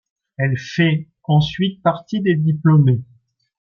Elle fait ensuite partie des diplômés.